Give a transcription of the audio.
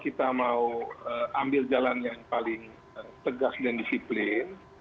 kita harus menangani pandemi ini untuk ambil jalan yang paling tegas dan disiplin